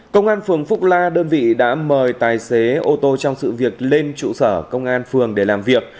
công an phường phúc la đơn vị đã mời tài xế ô tô trong sự việc lên trụ sở công an phường để làm việc